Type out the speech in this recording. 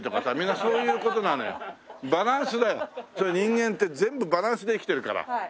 人間って全部バランスで生きてるから。